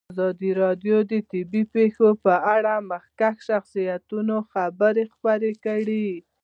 ازادي راډیو د طبیعي پېښې په اړه د مخکښو شخصیتونو خبرې خپرې کړي.